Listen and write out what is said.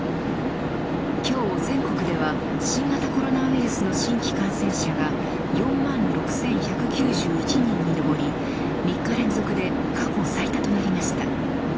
今日、全国では新型コロナウイルスの新規感染者が４万６１９１人に上り３日連続で過去最多となりました。